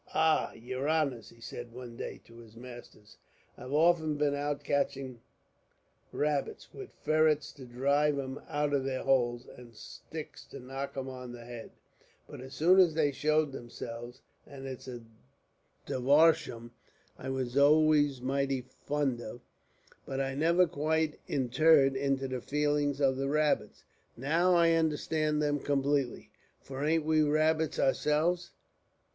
"Ah! Yer honors," he said one day to his masters; "I've often been out catching rabbits, with ferrits to drive 'em out of their holes, and sticks to knock 'em on the head, as soon as they showed themselves; and it's a divarshun I was always mightily fond of, but I never quite intered into the feelings of the rabbits. Now I understand them complately, for ain't we rabbits ourselves?